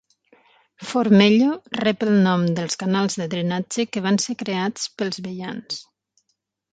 Formello rep el nom dels canals de drenatge que van ser creats pels veians.